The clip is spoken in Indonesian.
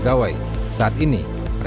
pembangunan ini juga diangkatan luar negeri